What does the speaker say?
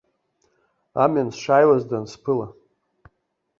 Амҩан сшааиуаз дансԥыла.